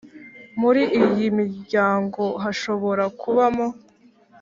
Muri iyi miryango hashobora kubamo